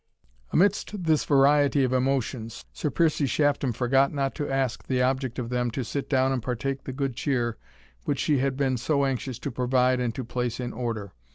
Amidst this variety of emotions, Sir Piercie Shafton forgot not to ask the object of them to sit down and partake the good cheer which she had been so anxious to provide and to place in order.